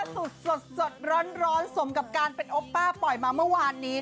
ติ๊งก้อนล่าสุดสดร้อนร้อนสมกับการเป็นอัปป้าปล่อยมาเมื่อวานนี้